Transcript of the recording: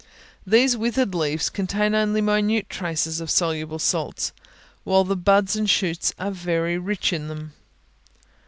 These withered leaves contain only minute traces of soluble salts, while the buds and shoots are very rich in them.